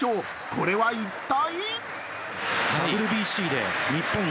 これは一体？